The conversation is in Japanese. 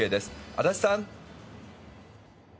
足立さん。